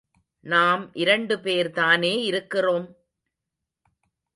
நாம் இரண்டு பேர்தானே இருக்கிறோம்?